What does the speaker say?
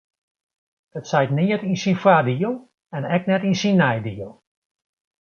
It seit neat yn syn foardiel en ek net yn syn neidiel.